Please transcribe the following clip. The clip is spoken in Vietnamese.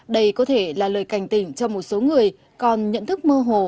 đây có thể là lời cảnh tỉnh cho một số người còn nhận thức mơ hồ